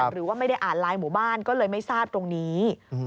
หรือว่าไม่ได้อ่านไลน์หมู่บ้านก็เลยไม่ทราบตรงนี้